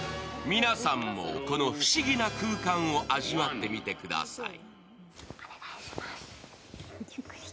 皆さんもこの不思議な空間を味わってみてください。